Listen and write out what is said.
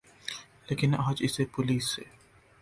لیکن اج اسے پولیس سے